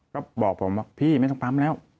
ก็บอกผมว่าพี่ไม่ต้องปั๊มแล้ว